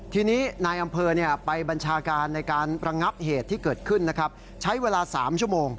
ทีนี้นายอำเภอไปบัญชาการในการระงับเหตุที่เกิดขึ้นนะครับใช้เวลา๓ชั่วโมง